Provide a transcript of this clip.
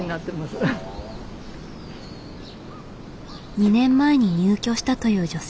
２年前に入居したという女性。